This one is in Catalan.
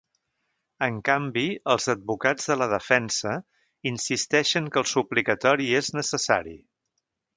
En canvi, els advocats de la defensa insisteixen que el suplicatori és necessari.